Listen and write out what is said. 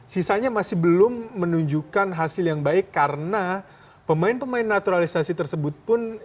sisanya masih belum menunjukkan hasil yang baik karena pemain pemain naturalisasi tersebut pun